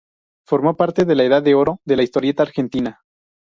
Formó parte de la edad de oro de la historieta argentina.